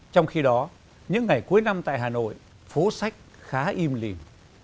trong khi đó những ngày cuối năm tại hà nội phố sách khá im lìm